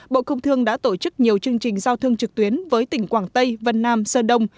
bộ công thương đã tổ chức nhiều chương trình giao thương trực tuyến với tỉnh quảng tây vân nam sơn đông